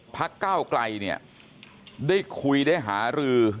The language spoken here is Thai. ก้าวไกลเนี่ยได้คุยได้หารือ